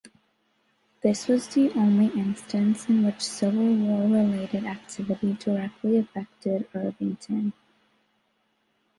This was the only instance in which Civil War-related activity directly affected Irvington.